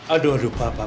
aduh aduh pak pak